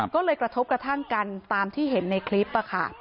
ก็เลยกระทบกระทั่งกันตามที่เห็นในคลิปค่ะ